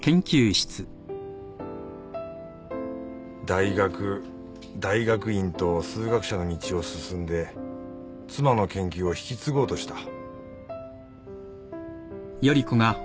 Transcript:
大学大学院と数学者の道を進んで妻の研究を引き継ごうとした。